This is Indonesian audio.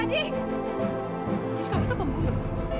jadi kamu itu pembunuh